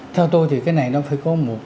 theo tôi thì cái này nó phải có một